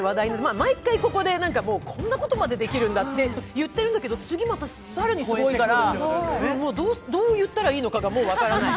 毎回こんなことまでできるんだって言っているけど次また更にすごいから、もうどう言ったらいいのかがもう分からない。